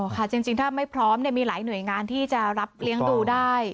จริงถ้าไม่พร้อมมีหลายหน่วยงานที่จะรับเลี้ยงดูได้